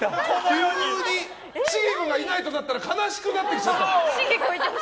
急に茂子がいないとなったら悲しくなってきちゃった。